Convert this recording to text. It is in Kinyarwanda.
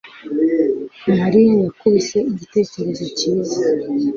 Mariya yakubise igitekerezo cyiza